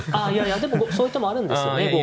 あいやいやでもそういう手もあるんですよね。